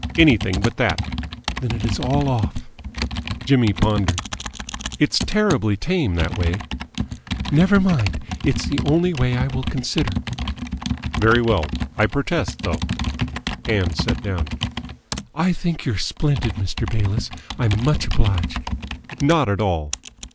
"Anything but that." "Then it is all off!" Jimmy pondered. "It's terribly tame that way." "Never mind. It's the only way I will consider." "Very well. I protest, though." Ann sat down. "I think you're splendid, Mr. Bayliss. I'm much obliged!" "Not at all."